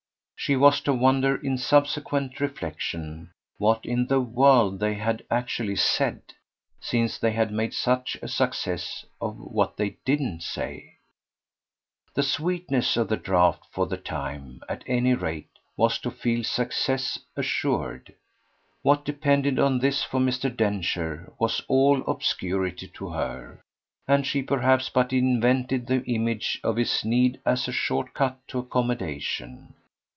She was to wonder in subsequent reflexion what in the world they had actually said, since they had made such a success of what they didn't say; the sweetness of the draught for the time, at any rate, was to feel success assured. What depended on this for Mr. Densher was all obscurity to her, and she perhaps but invented the image of his need as a short cut to accommodation.